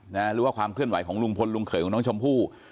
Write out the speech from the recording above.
หรือว่าความเคลื่อนไหวของลุงพลลุงเขยของน้องชมพู่